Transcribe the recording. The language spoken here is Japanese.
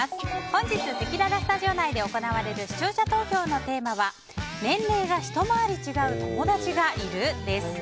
本日、せきららスタジオ内で行われる視聴者投票のテーマは年齢が一回り違う友達がいる？です。